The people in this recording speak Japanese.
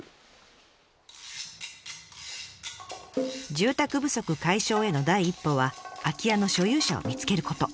住宅不足解消への第一歩は空き家の所有者を見つけること。